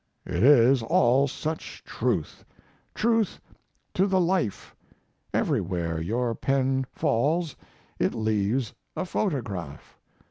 It is all such truth truth to the life; everywhere your pen falls it leaves a photograph....